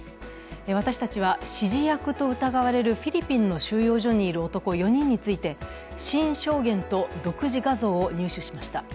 私たちは、指示役と疑われるフィリピンの収容所にいる男４人について新証言と独自画像を入手しました。